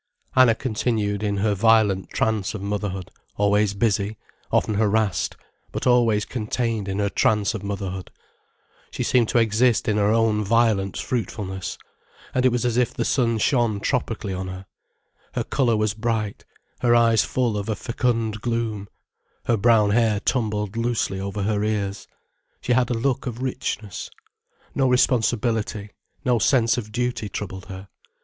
Anna continued in her violent trance of motherhood, always busy, often harassed, but always contained in her trance of motherhood. She seemed to exist in her own violent fruitfulness, and it was as if the sun shone tropically on her. Her colour was bright, her eyes full of a fecund gloom, her brown hair tumbled loosely over her ears. She had a look of richness. No responsibility, no sense of duty troubled her.